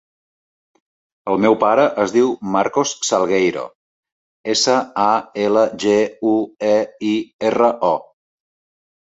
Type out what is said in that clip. El meu pare es diu Marcos Salgueiro: essa, a, ela, ge, u, e, i, erra, o.